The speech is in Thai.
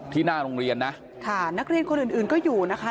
หน้าโรงเรียนนะค่ะนักเรียนคนอื่นอื่นก็อยู่นะคะ